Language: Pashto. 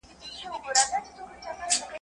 چي هوږه ئې نه وي خوړلې، د خولې ئې بوى نه ځي.